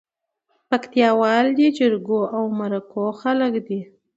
پکتياوال دي جرګو او مرکو خلک دي